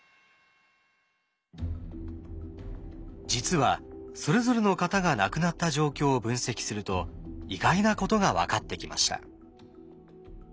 実はそれぞれの方が亡くなった状況を分析すると意外なことが分かってきました。